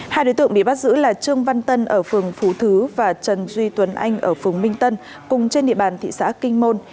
hai đối tượng bị bắt giữ là trương văn tân ở phường phú thứ và trần duy tuấn anh ở phường minh tân cùng trên địa bàn thị xã kinh môn